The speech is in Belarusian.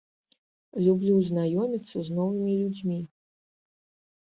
Люблю знаёміцца з новымі людзьмі.